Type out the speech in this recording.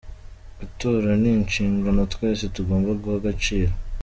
Gutora ni inshingano twese tugomba guha agaciro.